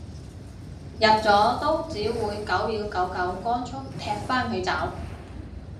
入咗都只會九秒九九光速踢返佢走